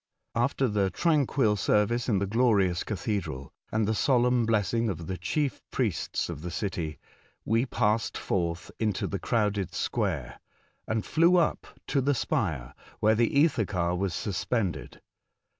After the tranquil service in the glorious cathedral, and the solemn blessing of the chief priests of the city, H 98 A Voyage to Other Worlds. we passed forth into the crowded square, and flew up to the spire where the ether car was suspended.